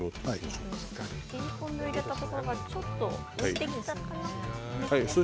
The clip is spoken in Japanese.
切り込みを入れたところがちょっと浮いてきたなと思ったら。